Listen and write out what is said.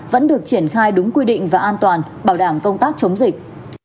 vẫn được triển khai đúng quy định và an toàn bảo đảm công tác chống dịch